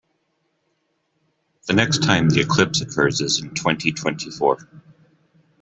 The next time the eclipse occurs is in twenty-twenty-four.